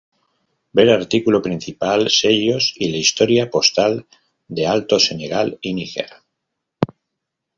Ver artículo principal, sellos y la historia postal de Alto Senegal y Níger.